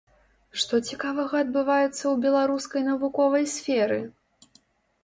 Што цікавага адбываецца ў беларускай навуковай сферы?